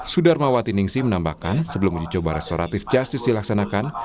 sudarmawati ningsi menambahkan sebelum uji coba restoratif justice dilaksanakan